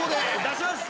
出します。